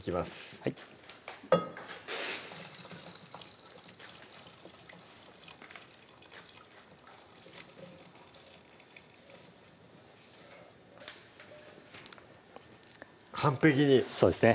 はい完璧にそうですね